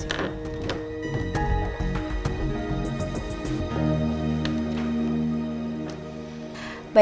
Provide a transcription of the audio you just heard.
seperti yang pak bobi sarankan